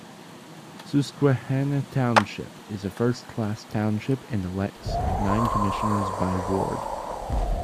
Susquehanna Township is a first-class township and elects nine commissioners by ward.